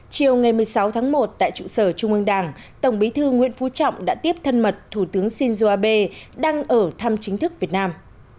chiều ngày một mươi sáu tháng một tại trụ sở trung ương đảng tổng bí thư nguyễn phú trọng đã tiếp thân mật thủ tướng shinzo abe đang ở thăm chính thức việt nam